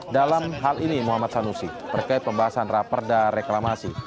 dalam hal ini muhammad sanusi terkait pembahasan raperda reklamasi